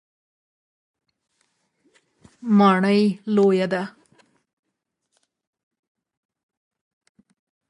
ماڼۍ لویه ده.